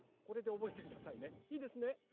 これでおぼえてくださいねいいですね。